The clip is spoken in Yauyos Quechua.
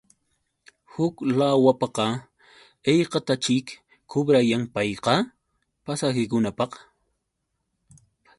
Huk lawpaqa, ¿haykataćhik kubrayan payqa? Pasahikunapaq.